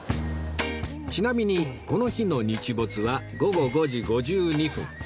ちなみにこの日の日没は午後５時５２分